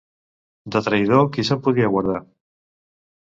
De traïdor, qui se'n podia guardar?